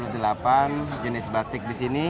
ada tujuh puluh delapan jenis batik di sini